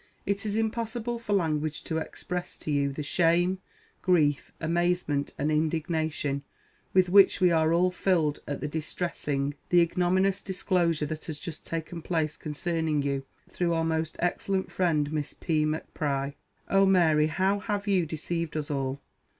"It is impossible for language to express to you the shame, grief, amazement, and indignation, with which we are all filled at the distressing, the ignominious disclosure that has just taken place concerning you, through our most excellent friend Miss P. M'Pry. Oh, Mary, how have you deceived us all!!!